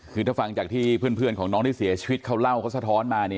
คือถ้าฟังจากที่เพื่อนของน้องที่เสียชีวิตเขาเล่าเขาสะท้อนมา